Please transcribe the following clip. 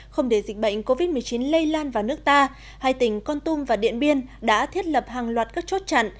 không để dịch bệnh covid một mươi chín lây lan vào nước ta hai tỉnh con tum và điện biên đã thiết lập hàng loạt các chốt chặn